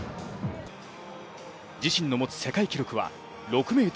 自身の持つ世界記録は６ｍ２０。